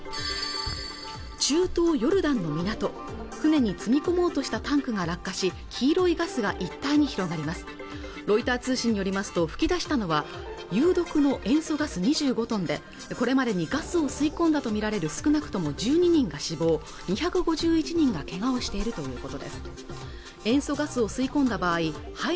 中東ヨルダンの港船に積み込もうとしたタンクが落下し黄色いガスが一帯に広がりますロイター通信によりますと噴き出したのは有毒の塩素ガス２５トンでこれまでにガスを吸い込んだとみられる少なくとも１２人が死亡２５１人がけがをしているということです